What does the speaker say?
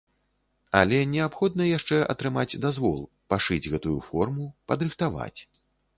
Але неабходна яшчэ атрымаць дазвол, пашыць гэтую форму, падрыхтаваць.